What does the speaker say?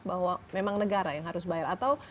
bahwa memang negara yang harus bayar atau